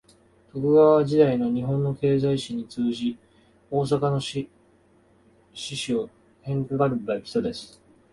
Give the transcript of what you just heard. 徳川時代の日本の経済史に通じ、大阪の市史を編纂した人です